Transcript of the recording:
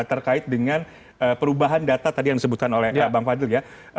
terkait dengan perubahan data tadi yang disebutkan oleh bang fadil ya